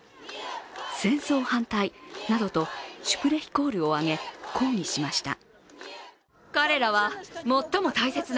「戦争反対」などとシュプレヒコールをあげ、抗議しました。